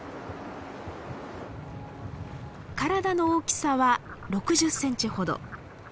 体の大きさは６０センチほど。